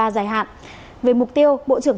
dài hạn về mục tiêu bộ trưởng